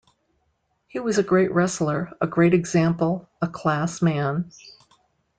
He was a great wrestler, a great example, a class man.